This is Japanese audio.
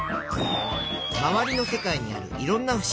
まわりの世界にあるいろんなふしぎ。